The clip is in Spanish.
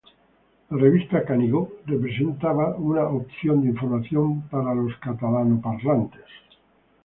La revista Canigó representaba una opción de información para los catalano parlantes.